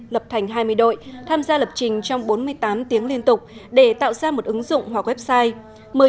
lập thành hai mươi đội tham gia lập trình trong bốn mươi tám tiếng liên tục để tạo ra một ứng dụng hoặc website